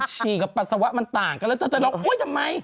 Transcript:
ฉี่กับปัสสาวะมันต่างกันแล้วเธอจะร้องโอ๊ยทำไม